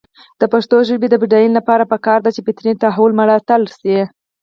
د پښتو ژبې د بډاینې لپاره پکار ده چې فطري تحول ملاتړ شي.